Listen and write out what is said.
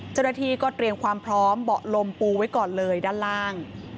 เจ้าหน้าที่ก็เตรียมความพร้อมเบาะลมปูไว้ก่อนเลยด้านล่าง